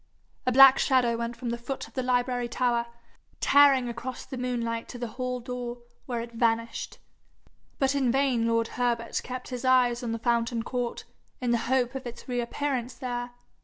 A black shadow went from the foot of the library tower, tearing across the moonlight to the hall door, where it vanished. But in vain lord Herbert kept his eyes on the fountain court, in the hope of its reappearance there.